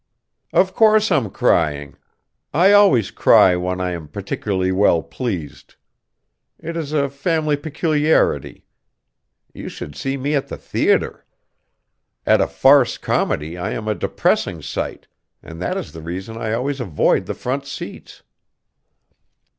"Of course I'm crying. I always cry when I am particularly well pleased. It is a family peculiarity. You should see me at the theatre. At a farce comedy I am a depressing sight, and that is the reason I always avoid the front seats."